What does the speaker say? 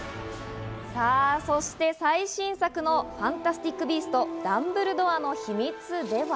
そして最新作の『ファンタスティック・ビーストとダンブルドアの秘密』では。